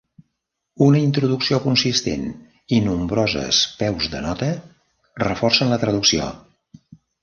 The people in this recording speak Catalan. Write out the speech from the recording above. Una introducció consistent i nombroses peus de nota reforcen la traducció.